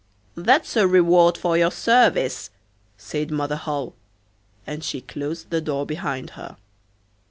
'That's a reward for your service,' said Mother Holle, and she closed the door behind her.